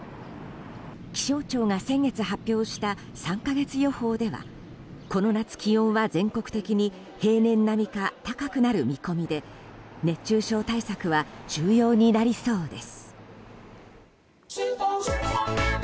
気象庁が先月発表した３か月予報ではこの夏、気温は全国的に平年並みか高くなる見込みで熱中症対策は重要になりそうです。